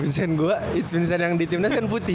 vincent gue vincent yang di timnya kan putih